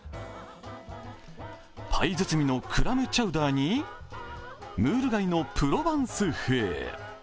パイ包みのクラムチャウダーにムール貝のプロバンス風。